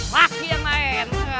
lagi yang lain